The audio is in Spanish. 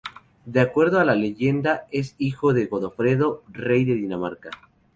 De acuerdo a la leyenda, es hijo de Godofredo, rey de Dinamarca.